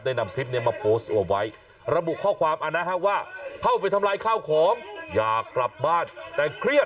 นำคลิปนี้มาโพสต์เอาไว้ระบุข้อความเอานะฮะว่าเข้าไปทำลายข้าวของอยากกลับบ้านแต่เครียด